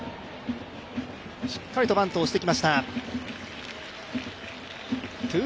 しっかりとバントしてきました。